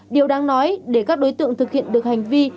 điều đáng nói để các đối tượng thực hiện được hành vi